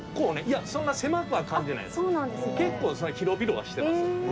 結構広々はしてます。